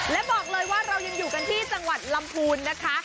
และบอกเลยว่าเรายังอยู่กันที่จังหวัดลำพูนนะคะ